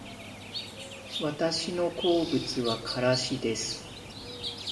私の好物はからしです